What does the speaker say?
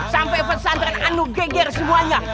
sampai pesantren anu geger semuanya